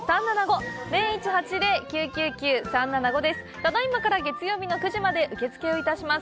ただいまから月曜日の９時まで受け付けをいたします。